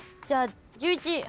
じゃあ１１。